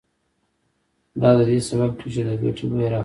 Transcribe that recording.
دا د دې سبب کېږي چې د ګټې بیه راکمه شي